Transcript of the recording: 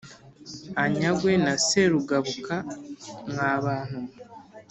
anyagwe na serugabuka mwabantu mwe